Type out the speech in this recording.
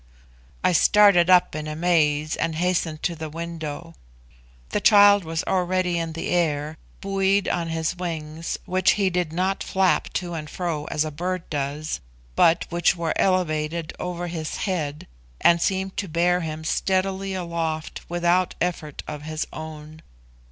I started up in amaze and hastened to the window. The child was already in the air, buoyed on his wings, which he did not flap to and fro as a bird does, but which were elevated over his head, and seemed to bear him steadily aloft without effort of his own.